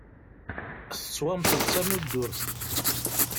Tettwamḍel d tamuddurt.